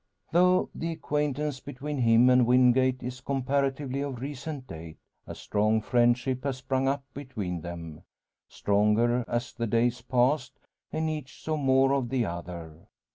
Though the acquaintance between him and Wingate is comparatively of recent date, a strong friendship has sprung up between them stronger as the days passed, and each saw more of the other.